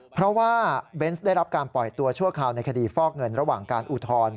เพราะว่าเบนส์ได้รับการปล่อยตัวชั่วคราวในคดีฟอกเงินระหว่างการอุทธรณ์